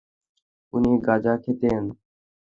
উনি গাঁজা খেতেন?